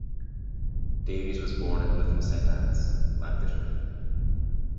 Davies was born in Lytham Saint Annes, Lancashire.